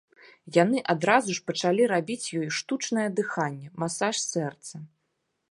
Яны адразу ж пачалі рабіць ёй штучнае дыханне, масаж сэрца.